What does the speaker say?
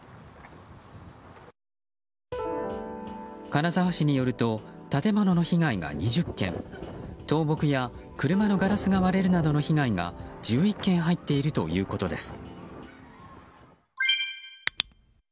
金沢市によると建物の被害が２０件倒木や車のガラスが割れるなどの被害が１１件入っているということです。